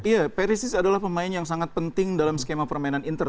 ya perisis adalah pemain yang sangat penting dalam skema permainan inter